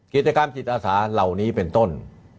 กิจกรรมจิตอาสาเหล่านี้เป็นต้น